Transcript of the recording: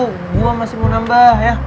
gua masih mau nambah ya